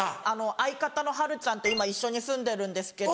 相方のはるちゃんと今一緒に住んでるんですけど。